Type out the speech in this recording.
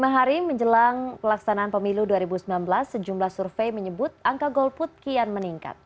lima hari menjelang pelaksanaan pemilu dua ribu sembilan belas sejumlah survei menyebut angka golput kian meningkat